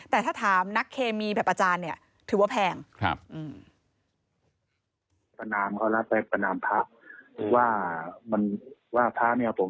แต่ถ้าถามนักเคมีแบบอาจารย์เนี่ยถือว่าแพง